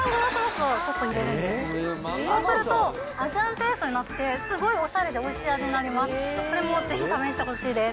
そうすると、アジアンテイストになって、すごいおしゃれでおいしい味になります。